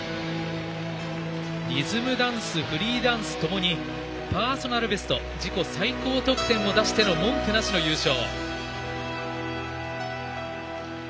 リズムダンスフリーダンスともにパーソナルベスト自己最高得点を出しての文句なしの優勝。